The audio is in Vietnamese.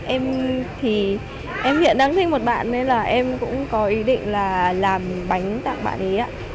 em thì em hiện đang thích một bạn nên là em cũng có ý định là làm bánh tặng bạn ấy ạ